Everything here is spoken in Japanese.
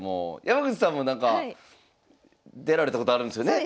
山口さんもなんか出られたことあるんですよね？